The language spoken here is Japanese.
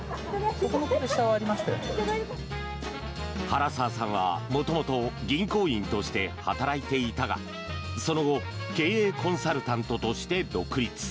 原澤さんは元々、銀行員として働いていたがその後経営コンサルタントとして独立。